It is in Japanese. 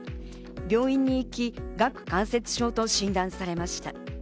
病院に行き、顎関節症と診断されました。